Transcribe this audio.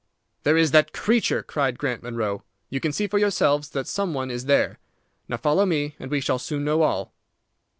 "There is that creature!" cried Grant Munro. "You can see for yourselves that some one is there. Now follow me, and we shall soon know all."